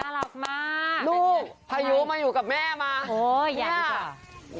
เออน่ารักมากลูกพายุมาอยู่กับแม่มาโหอย่างนี้กว่า